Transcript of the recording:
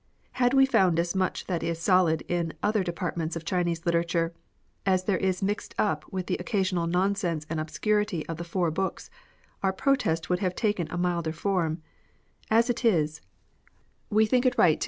Had we found as much that is solid in other departments of Chinese literature, as there is mixed up with the occasional nonsense and obscurity of the Four Books, our protest would have taken a milder form ; as it is, we think it right to LITERATURE.